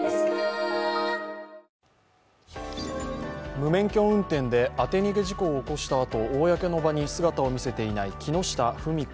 無免許運転で当て逃げ事故を起こしたあと公の場に姿を見せていない木下富美子